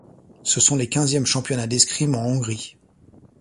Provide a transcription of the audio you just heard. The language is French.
Ce sont les quizièmes championnats d'escrime en Hongrie.